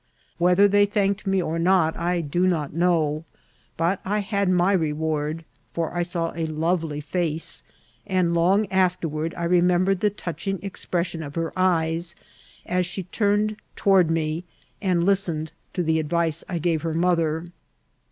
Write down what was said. . Whether they thanked me or not I do not know, but I had my reward, for I saw a lovely face, and long afterward I remembered the touching expression of her eyes, as she turned toward me, and listened to the advice I gave her mother.